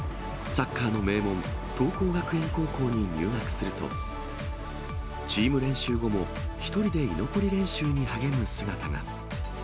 サッカーの名門、桐光学園高校に入学すると、チーム練習後も１人で居残り練習に励む姿が。